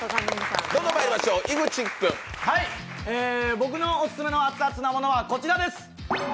僕のオススメのアツアツなものはこちらです。